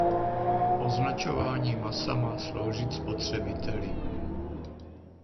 Označování masa má sloužit spotřebiteli.